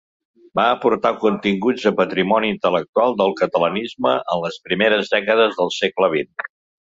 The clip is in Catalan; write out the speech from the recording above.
Va aportar continguts a patrimoni intel·lectual del catalanisme en les primeres dècades del segle vint.